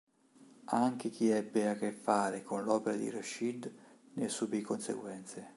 Anche chi ebbe a che fare con l'opera di Rushdie ne subì conseguenze.